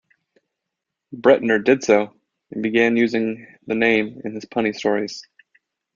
Bretnor did so, and began using the name in his punny stories.